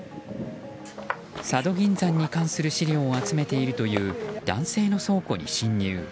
佐渡金山に関する史料を集めているという男性の倉庫に侵入。